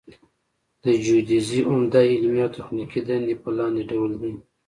د جیودیزي عمده علمي او تخنیکي دندې په لاندې ډول دي